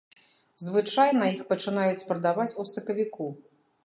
Звычайна іх пачынаюць прадаваць у сакавіку.